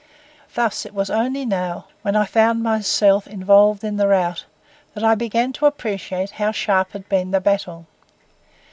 Thus it was only now, when I found myself involved in the rout, that I began to appreciate how sharp had been the battle.